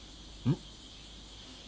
うん。